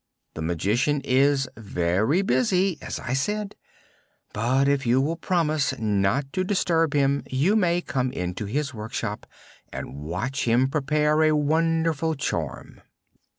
The Magician is very busy, as I said, but if you will promise not to disturb him you may come into his workshop and watch him prepare a wonderful charm."